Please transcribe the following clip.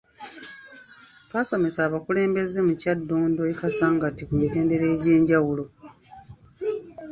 Twasomesa abakulembeze mu kyaddondo e Kasangati ku mitendera egy’enjawulo.